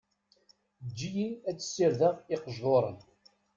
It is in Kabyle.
Eǧǧ-iyi ad sirdeɣ iqejḍuṛen.